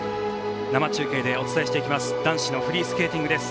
生中継でお伝えしていきます